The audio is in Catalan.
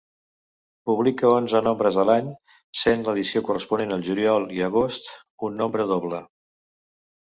Publica onze nombres a l'any, sent l'edició corresponent a juliol i agost un nombre doble.